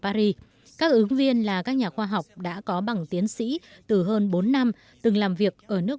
paris các ứng viên là các nhà khoa học đã có bằng tiến sĩ từ hơn bốn năm từng làm việc ở nước